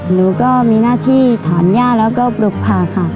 หนูก็มีหน้าที่ถอนย่าแล้วก็ปลุกผ่าค่ะ